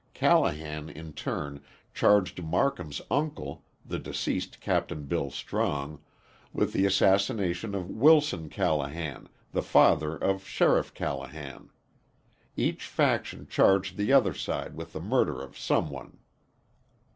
Callahan in turn charged Marcum's uncle, the deceased Capt. Bill Strong, with the assassination of Wilson Callahan, the father of Sheriff Callahan. Each faction charged the other with the murder of some one.